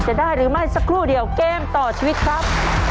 จะได้หรือไม่สักครู่เดียวเกมต่อชีวิตครับ